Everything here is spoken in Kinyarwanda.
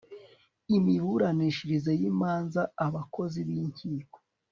imiburanishirize y'imanza, abakozi b'inkiko